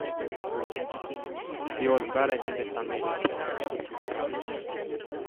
He was buried in the family plot with his parents.